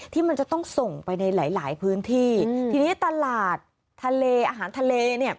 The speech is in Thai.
ที่มันจะต้องส่งไปในหลายหลายพื้นที่ทีนี้ตลาดทะเลอาหารทะเลเนี่ย